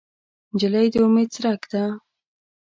نجلۍ د امید څرک ده.